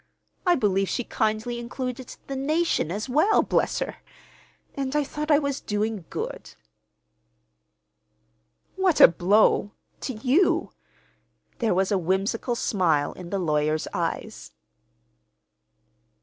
I believe she kindly included the nation, as well, bless her! And I thought I was doing good!" "What a blow—to you!" There was a whimsical smile in the lawyer's eyes.